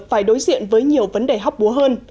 phải đối diện với nhiều vấn đề hóc búa hơn